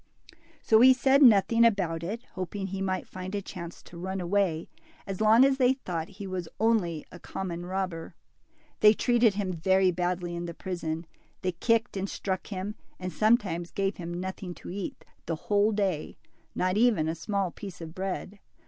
So he said nothing about it, hoping he might find a chance to run away, as long as they thought he was only a common robber. They treated him very badly in the prison. They kicked and struck him, and sometimes gave him nothing to eat the whole day, not even a small piece of bread.